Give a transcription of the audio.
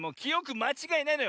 まちがいないのよ。